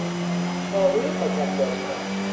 چاقوی پاکت بازکن